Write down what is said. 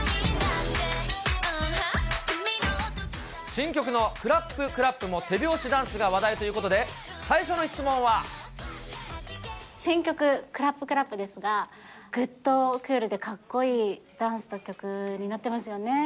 新曲のクラップ・クラップも手拍子ダンスが話題ということで、新曲、クラップ・クラップですが、ぐっとクールでかっこいいダンスと曲になってますよね。